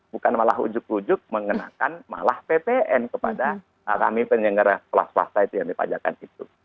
bukan malah ujuk ujuk mengenakan malah ppn kepada kami penyelenggara sekolah swasta itu yang dipajakan itu